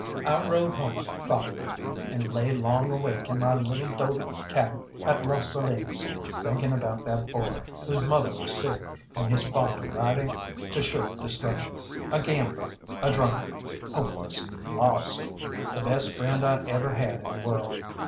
I rode home thoughtful, and lay long awake in my little dobe cabin at Las Salinas, thinking about that boy, whose mother was sick, and his father riding to sure destruction, a gambler, a drunkard, hopeless, lost the best friend I ever had in the world.